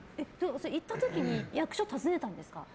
行った時に役所訪ねたんですか？